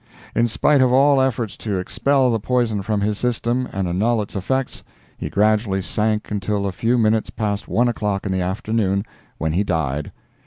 In spite of all efforts to expel the poison from his system and annul its effects, he gradually sank until a few minutes past one o'clock in the afternoon, when he died.